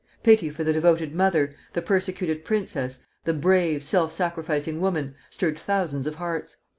Pity for the devoted mother, the persecuted princess, the brave, self sacrificing woman, stirred thousands of hearts.